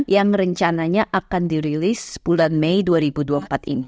yang rencananya akan dirilis bulan mei dua ribu dua puluh empat ini